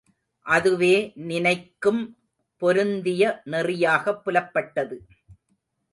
அதுவே நினக்கும் பொருந்திய நெறியாகப் புலப்பட்டது.